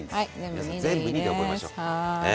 皆さん全部２で覚えましょう。